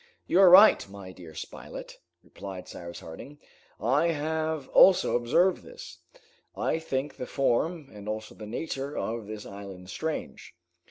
"You are right, my dear Spilett," replied Cyrus Harding, "I have also observed this. I think the form and also the nature of this island strange.